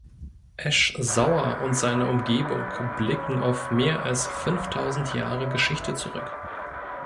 Esch-Sauer und seine Umgebung blicken auf mehr als fünftausend Jahre Geschichte zurück.